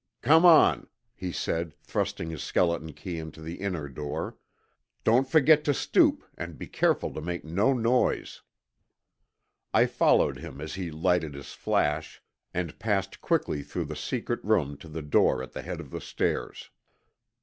"Come on," he said, thrusting his skeleton key into the inner door. "Don't forget to stoop and be careful to make no noise." I followed him as he lighted his flash, and passed quickly through the secret room to the door at the head of the stairs.